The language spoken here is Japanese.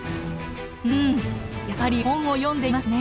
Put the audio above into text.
うんやっぱり本を読んでいますね。